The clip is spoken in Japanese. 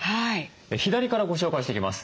左からご紹介していきます。